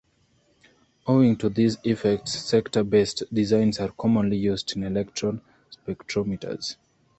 Owing to these effects, sector based designs are commonly used in electron spectrometers.